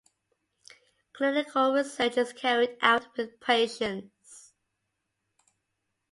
Clinical research is carried out with patients.